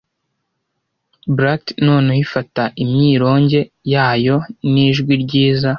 brat noneho ifata imyironge yayo nijwi ryiza